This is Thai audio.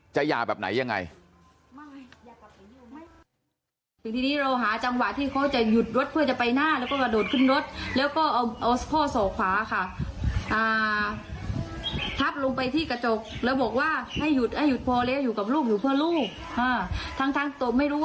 หย่าแบบไหนยังไง